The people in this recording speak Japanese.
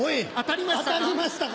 当たりましたか？